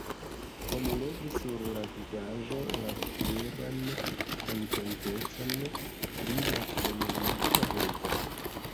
Oni legis sur lia vizaĝo la fieran kontentecon pri la plenumita devo.